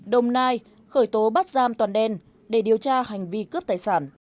đồng nai khởi tố bắt giam toàn đen để điều tra hành vi cướp tài sản